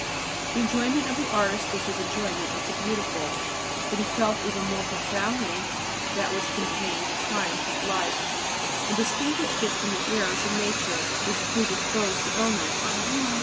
The "enjoyment" of the artist was his enjoyment of the "beautiful"; but he felt even more profoundly that which contained the triumph of life, and distinguished it from the errors of nature, which predispose to illness.